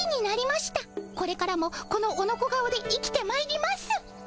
これからもこのオノコ顔で生きてまいります。